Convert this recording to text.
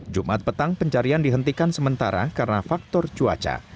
jumat petang pencarian dihentikan sementara karena faktor cuaca